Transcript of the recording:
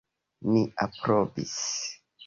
Ni aprobis.